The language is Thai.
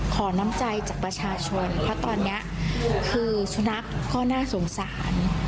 ขอน้ำใจจากประชาชนเพราะตอนนี้คือสุนัขก็น่าสงสาร